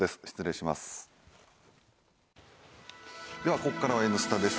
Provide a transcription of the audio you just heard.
ここからは「Ｎスタ」です。